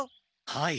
はい。